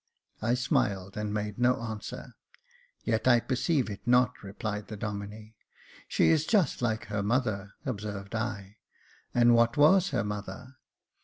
I smiled, and made no answer. " Yet I perceived it not," replied the Domine. " She is just like her mother," observed I. And what was her mother